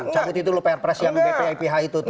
cakuti itu lu pr pres yang bpi ph itu tuh